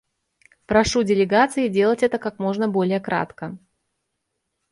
Прошу делегации делать это как можно более кратко.